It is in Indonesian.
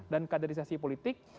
dan kaderisasi politik